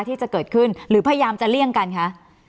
ที่จะเกิดขึ้นหรือพยายามจะเลี่ยงกันคะ